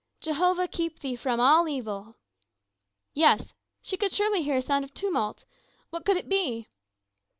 "Jehovah keep thee from all evil." Yes, she could surely hear a sound of tumult what could it be?